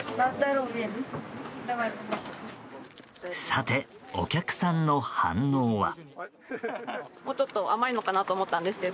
さて、お客さんの反応は？